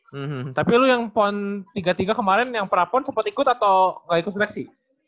hmm tapi lo yang pon tiga puluh tiga kemarin yang pra pon sempat ikut atau nggak ikut seleksi